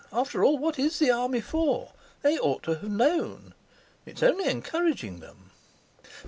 After all, what is the Army for? They ought to have known. It's only encouraging them."